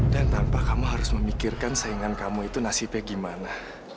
dan tanpa kamu harus memikirkan saingan kamu itu nasibnya gimana